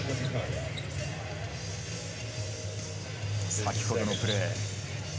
先ほどのプレー。